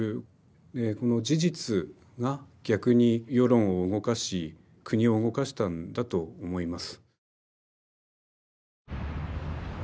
この事実が逆に世論を動かし国を動かしたんだと思います。